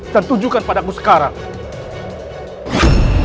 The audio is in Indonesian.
dan tunjukkan padaku sekarang